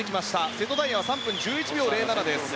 瀬戸大也は３分１１秒０７です。